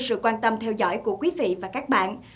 sự quan tâm theo dõi của quý vị và các bạn